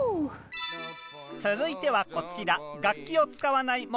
続いてはこちら！